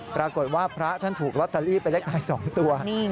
ปรากฏว่าพระท่านถูกลอตเตอรี่ไปเลขท้าย๒ตัว